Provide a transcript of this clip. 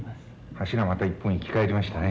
柱また一本生き返りましたね。